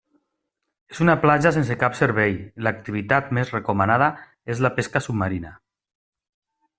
És una platja sense cap servei i l'activitat més recomanada és la pesca submarina.